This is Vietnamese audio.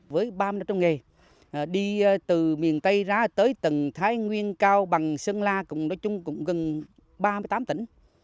với ba mươi năm trong nghề đi từ miền tây ra tới tầng thái nguyên cao bằng sơn la nói chung cũng gần ba mươi tám tỉnh